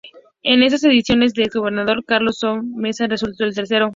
En esas elecciones, el ex gobernador Carlos Saúl Menem resultó tercero.